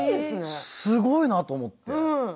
すごいなと思って。